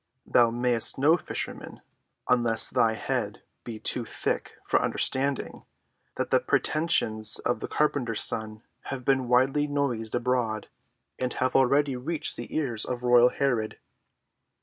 Thou mayst know, fisherman,—unless thy head be too thick for understanding—that the pretensions of the carpenter's son have been widely noised abroad, and have already reached the ears of royal Herod.